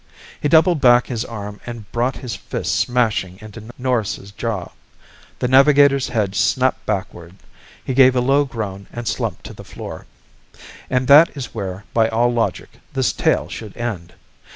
He doubled back his arm and brought his fist smashing onto Norris' jaw. The Navigator's head snapped backward; he gave a low groan and slumped to the floor. And that is where, by all logic, this tale should end.